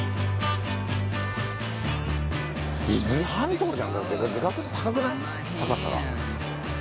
高さが。